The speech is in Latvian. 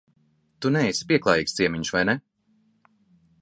Tu neesi pieklājīgs ciemiņš, vai ne?